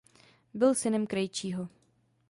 Byl synem krejčího.